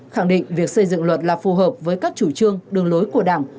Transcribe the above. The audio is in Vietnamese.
khẳng định việc xây dựng luật là phù hợp với các chủ trương đường lối của đảng